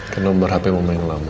ke nomor hp nomor yang lama